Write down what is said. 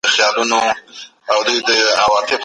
کاڼی د غره دی کله انسان دی